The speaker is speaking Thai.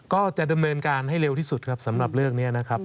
ก็จะดำเนินการให้เร็วที่สุดครับสำหรับเรื่องนี้นะครับ